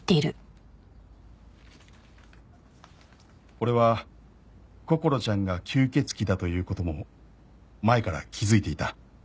「俺はこころちゃんが吸血鬼だということも前から気づいていた」